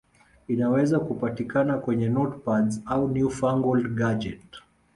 Inaweza kupatikana kwenye notepads au newfangled gadget